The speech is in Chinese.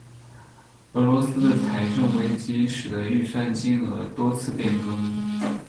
俄罗斯的财政危机使得预算金额多次变更。